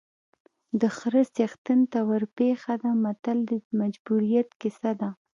د خره څښتن ته ورپېښه ده متل د مجبوریت کیسه ده